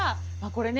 これね